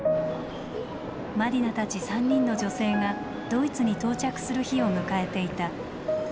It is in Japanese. マディナたち３人の女性がドイツに到着する日を迎えていた。